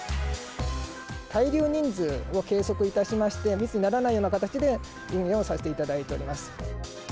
滞留人数を計測いたしまして、密にならないような形で運営をさせていただいております。